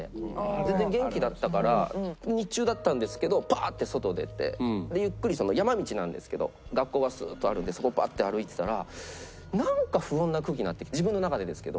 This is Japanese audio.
全然元気だったから日中だったんですけどパッて外出てゆっくり山道なんですけど学校がスッとあるんでそこバッて歩いてたらなんか不穏な空気になってきて自分の中でですけど。